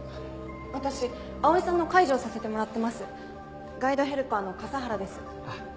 私碧さんの介助をさせてもらってますガイドヘルパーの笠原です。